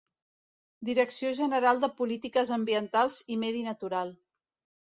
Direcció General de Polítiques Ambientals i Medi Natural.